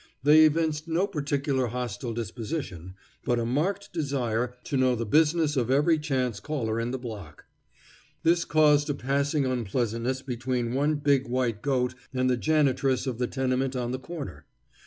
They evinced no particularly hostile disposition, but a marked desire to know the business of every chance caller in the block. This caused a passing unpleasantness between one big white goat and the janitress of the tenement on the corner.